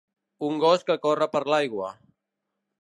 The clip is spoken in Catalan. Un gos que corre per l'aigua